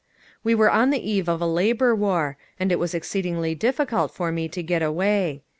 We were on the eve of a labor war, and it was exceedingly difficult for me to get away.